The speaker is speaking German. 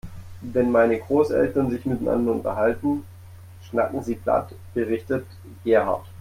Wenn meine Großeltern sich miteinander unterhalten, schnacken sie platt, berichtet Gerhard.